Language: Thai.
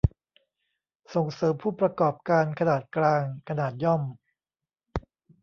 ส่งเสริมผู้ประกอบการขนาดกลาง ขนาดย่อม